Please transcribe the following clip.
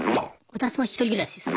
私も１人暮らしですね。